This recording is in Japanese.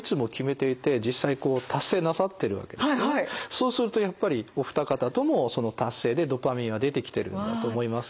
そうするとやっぱりお二方とも達成でドパミンは出てきてるんだと思いますから。